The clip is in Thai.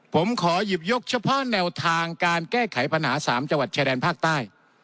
ผมขอหยิบยกเฉพาะแนวทางการแก้ไขปัญหา๓จังหวัดชายแดนภาคใต้